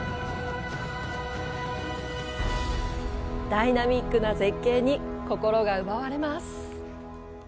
ダイナミックな絶景に心が奪われます。